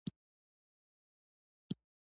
ازادي راډیو د ټولنیز بدلون اړوند شکایتونه راپور کړي.